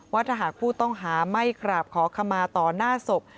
ว่าถ้าหากผู้ต้องหาไม่กราบขอขมาต่อหน้าศพ